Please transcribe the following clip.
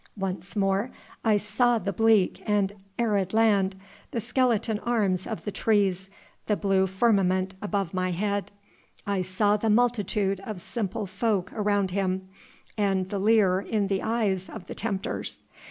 Once more I saw the bleak and arid land, the skeleton arms of the trees, the blue firmament above my head, I saw the multitude of simple folk around Him and the leer in the eyes of the tempters.